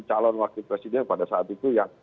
calon wakil presiden pada saat itu yang